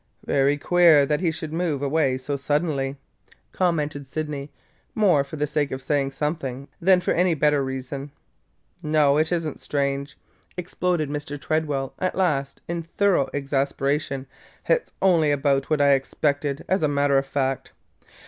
"Very queer that he should move away so suddenly!" commented Sydney, more for the sake of saying something than for any better reason. "No, it is n't strange!" exploded Mr. Tredwell at last in thorough exasperation. "It 's only about what I expected, as a matter of fact.